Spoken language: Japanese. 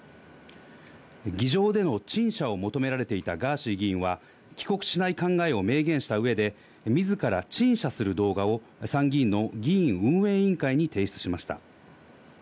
議場での陳謝を求められていたガーシー議員は、帰国しない考えを明言したうえで、みずから陳謝する動画を、参議院の議院運営委員会に提出しました。